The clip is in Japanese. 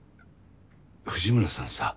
藤村さんさ